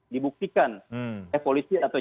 dibuktikan eh polisi atau